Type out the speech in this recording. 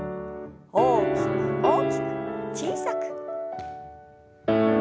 大きく大きく小さく。